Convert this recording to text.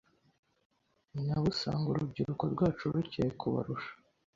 nabo usanga urubyiruko rwacu rukeye kubarusha